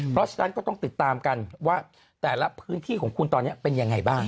เพราะฉะนั้นก็ต้องติดตามกันว่าแต่ละพื้นที่ของคุณตอนนี้เป็นยังไงบ้าง